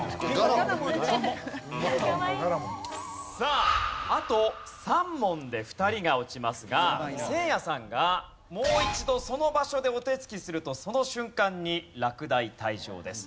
さああと３問で２人が落ちますがせいやさんがもう一度その場所でお手つきするとその瞬間に落第退場です。